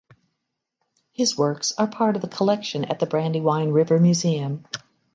His works are part of the collection at the Brandywine River Museum.